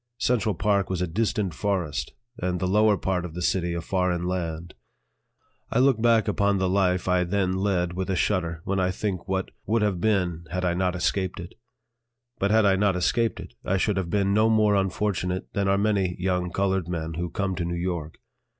Central Park was a distant forest, and the lower part of the city a foreign land. I look back upon the life I then led with a shudder when I think what would have been had I not escaped it. But had I not escaped it, I should have been no more unfortunate than are many young colored men who come to New York.